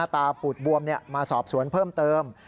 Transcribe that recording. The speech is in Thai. ตาปูดบวมมาสอบสวนเพิ่มเติม